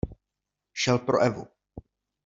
Šel pro Evu.